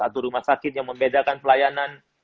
atau rumah sakit yang membedakan pelayanan